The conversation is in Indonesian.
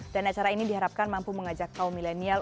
dan acara ini diharapkan mampu mengajak kaum milenial